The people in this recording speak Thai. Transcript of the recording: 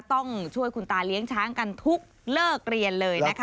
ต้องช่วยคุณตาเลี้ยงช้างกันทุกเลิกเรียนเลยนะคะ